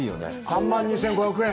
３万２５００円。